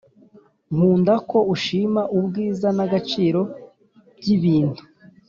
nkunda ko ushima ubwiza nagaciro byibintu